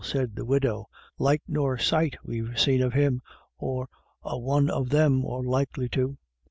" said the widow. " Light nor sight we've seen of him, or a one of them, or likely to.